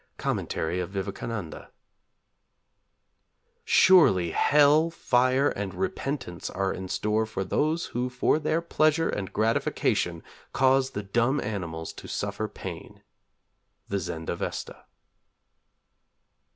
Commentary of Vivekânanda. 'Surely hell, fire, and repentance are in store for those who for their pleasure and gratification cause the dumb animals to suffer pain.' _The Zend Avesta.